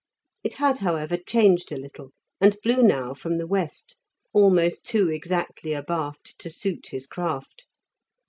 It had, however, changed a little, and blew now from the west, almost too exactly abaft to suit his craft.